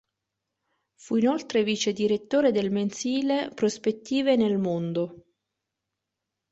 Fu inoltre vicedirettore del mensile "Prospettive nel mondo".